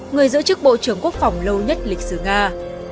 người giữ chức bộ trưởng quốc phòng lâu nhất lịch sử nga